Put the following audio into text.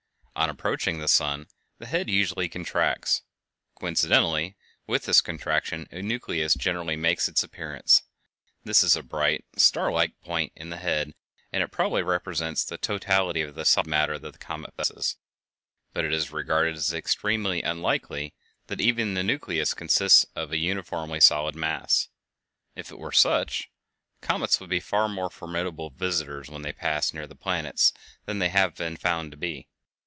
On approaching the sun the head usually contracts. Coincidently with this contraction a nucleus generally makes its appearance. This is a bright, star like point in the head, and it probably represents the totality of solid matter that the comet possesses. But it is regarded as extremely unlikely that even the nucleus consists of a uniformly solid mass. If it were such, comets would be far more formidable visitors when they pass near the planets than they have been found to be.